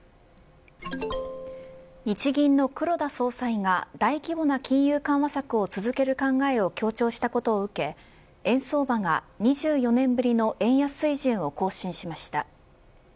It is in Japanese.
日銀の黒田総裁が大規模な金融緩和策を続ける考えを強調したことを受け、円相場が２４年ぶりの円安水準を更新しました。